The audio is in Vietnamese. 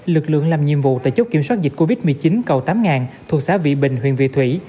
lực lượng làm nhiệm vụ tại chốt kiểm soát dịch covid một mươi chín cầu tám thuộc xã vị bình huyện vị thủy